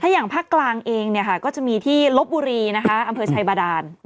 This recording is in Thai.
ถ้าอย่างภาคกลางเองจะมีที่รบบุรีอำเภอไชบาดาน